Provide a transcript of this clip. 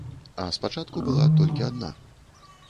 А спачатку была толькі адна.